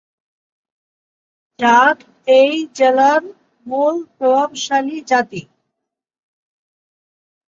জাট এই জেলার মূল প্রভাবশালী জাতি।